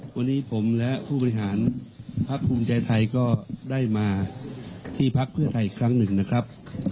วันนี้ผมและผู้บริหารพักภูมิใจไทยก็ได้มาที่พักเพื่อไทยอีกครั้งหนึ่งนะครับ